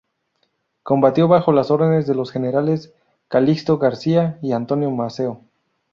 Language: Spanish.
Combatió bajo las órdenes de los generales Calixto García y Antonio Maceo.